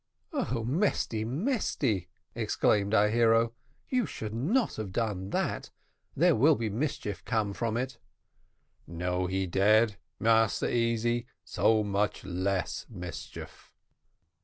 "Oh Mesty, Mesty," exclaimed our hero; "you should not have done that there will be mischief come from it." "Now he dead, Massa Easy, so much less mischief."